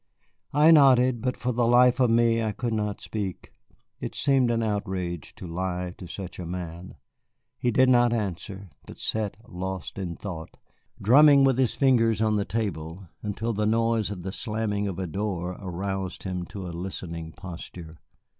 I nodded, but for the life of me I could not speak. It seemed an outrage to lie to such a man. He did not answer, but sat lost in thought, drumming with his fingers on the tables until the noise of the slamming of a door aroused him to a listening posture.